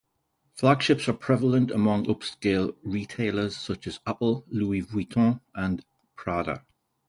Flagships are prevalent among upscale retailers, such as Apple, Louis Vuitton, and Prada.